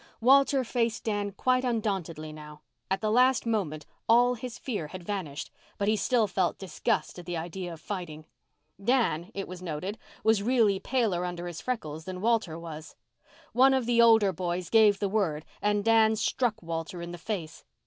Walter faced Dan quite undauntedly now. At the last moment all his fear had vanished, but he still felt disgust at the idea of fighting. Dan, it was noted, was really paler under his freckles than Walter was. One of the older boys gave the word and Dan struck Walter in the face.